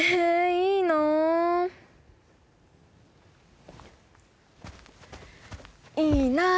いいなーいいなー